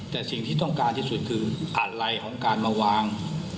แต่สิ่งที่ต้องการที่สุดคืออะไรของการมาวาง